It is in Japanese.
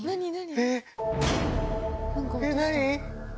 えっ何？